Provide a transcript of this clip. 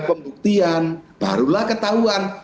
pembuktian barulah ketahuan